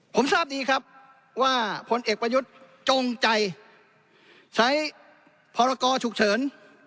ผมทราบดีครับว่าผลเอกประยุทธ์จงใจใช้พรกรฉุกเฉิน